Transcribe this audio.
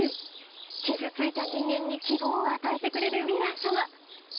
傷ついた人間に希望を与えてくれるヴィラン様